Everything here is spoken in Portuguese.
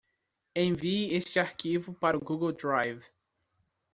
Envie este arquivo para o Google Drive.